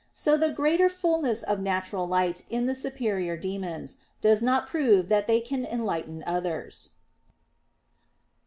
So the greater fulness of natural light in the superior demons does not prove that they can enlighten others.